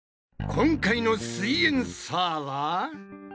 今回の「すイエんサー」は？